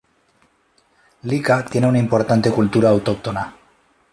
Lika tiene una importante cultura autóctona.